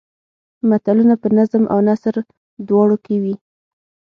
متلونه په نظم او نثر دواړو کې وي